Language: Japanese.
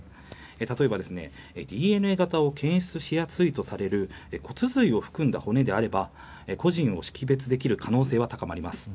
例えば、ＤＮＡ型を検出しやすいとされる骨髄を含んだ骨であれば個人を識別できる可能性は高まります。